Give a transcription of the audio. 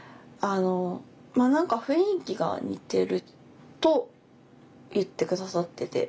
まあ何か雰囲気が似てると言って下さってて。